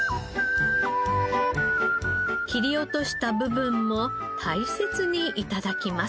切り落とした部分も大切に頂きます。